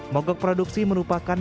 mogok produksi merupakan